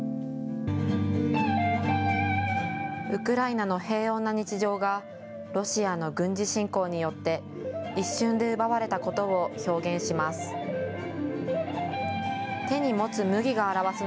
ウクライナの平穏な日常がロシアの軍事侵攻によって一瞬で奪われたことを表現します。